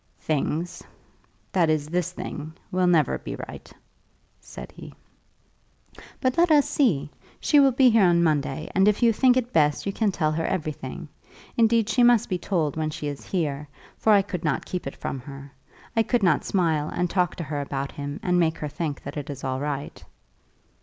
"Things, that is, this thing, never will be right," said he. "But let us see. She will be here on Monday, and if you think it best you can tell her everything. Indeed, she must be told when she is here, for I could not keep it from her. I could not smile and talk to her about him and make her think that it is all right."